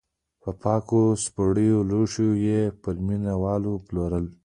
په پاکو سرپټو لوښیو یې پر مینه والو پلورل.